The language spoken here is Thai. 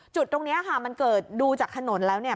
จุดตรงนี้ค่ะมันเกิดดูจากถนนแล้วเนี่ย